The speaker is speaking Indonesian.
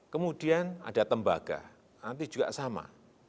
kemudian ada tembaga nanti juga sama